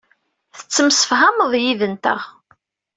Tettemsefhameḍ yid-nteɣ.